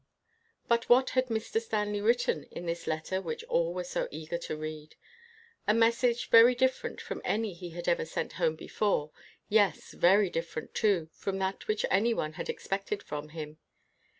But what had Mr. Stanley written in this letter which all were so eager to read? A message very different from any he had ever sent home before — yes, very different too from that which any one had expected from him.